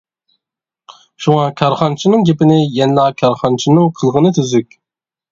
شۇڭا كارخانىچىنىڭ گېپىنى يەنىلا كارخانىچىنىڭ قىلغىنى تۈزۈك.